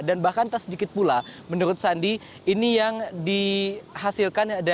dan bahkan sedikit pula menurut sandi ini yang dihasilkan dari swadaya